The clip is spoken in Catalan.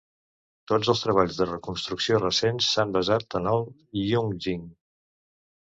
Tots els treballs de reconstrucció recents s'han basat en el "yunjing".